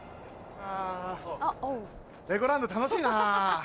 レゴランド楽しいなぁ。